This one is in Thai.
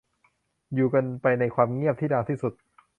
อยู่กันไปในความเงียบที่ดังที่สุด